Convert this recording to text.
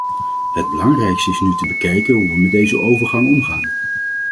Het belangrijkste is nu te bekijken hoe we met deze overgang omgaan.